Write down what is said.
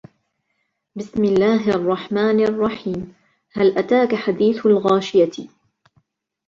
بِسْمِ اللَّهِ الرَّحْمَنِ الرَّحِيمِ هَلْ أَتَاكَ حَدِيثُ الْغَاشِيَةِ